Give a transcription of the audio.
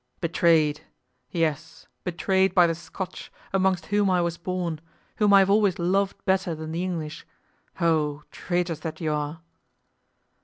"Betrayed! yes betrayed by the Scotch, amongst whom I was born, whom I have always loved better than the English. Oh, traitors that ye are!"